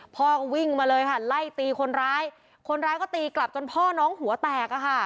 พ่อก็วิ่งมาเลยค่ะไล่ตีคนร้ายคนร้ายก็ตีกลับจนพ่อน้องหัวแตกอะค่ะ